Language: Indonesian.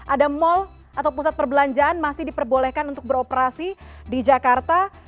ada mal atau pusat perbelanjaan masih diperbolehkan untuk beroperasi di jakarta